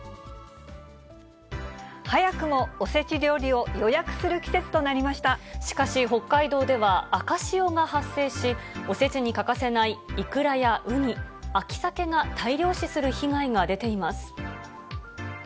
早くもおせち料理を予約するしかし、北海道では赤潮が発生し、おせちに欠かせないイクラやウニ、秋サケが大量死する被害が出ています。